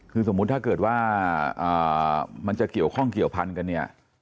คือสมมุติถ้าเกิดว่ามันจะเกี่ยวข้องเกี่ยวพันกันเนี่ย